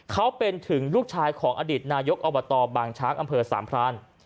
เขาเป็นถึงลูกชายของอดีตนายกอบตบางช้างอำเภอสามพราน